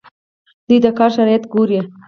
دوی د کار شرایط ګوري.